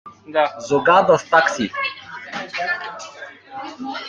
Sogar das Taxi.